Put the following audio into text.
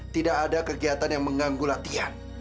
tidak ada kegiatan yang mengganggu latihan